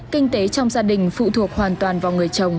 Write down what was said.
kinh tế trong gia đình phụ thuộc hoàn toàn vào người chồng